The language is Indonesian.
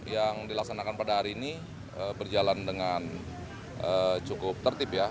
yang dilaksanakan pada hari ini berjalan dengan cukup tertib ya